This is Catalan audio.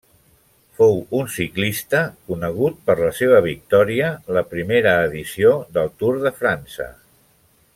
Fou un ciclista, conegut per la seva victòria la primera edició del Tour de França.